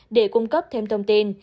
để cung cấp thêm thông tin